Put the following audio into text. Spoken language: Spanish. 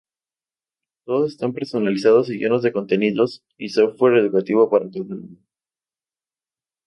Todos están personalizados y llenos de contenidos y software educativo para cada alumno.